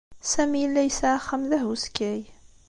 Sami yella yesɛa axxam d ahuskay.